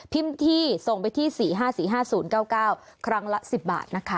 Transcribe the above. ที่ส่งไปที่๔๕๔๕๐๙๙ครั้งละ๑๐บาทนะคะ